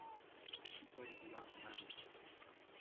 Rešitev je bila banalna.